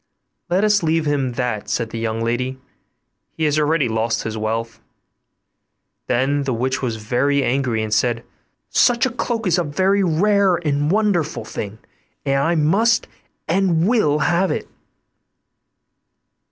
'Let us leave him that,' said the young lady; 'he has already lost his wealth.' Then the witch was very angry, and said, 'Such a cloak is a very rare and wonderful thing, and I must and will have it.